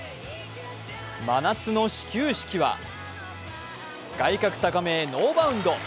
真夏の始球式は、外角高めへノーバウンド。